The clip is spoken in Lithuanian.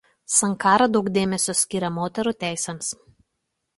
Sankara daug dėmesio skyrė moterų teisėms.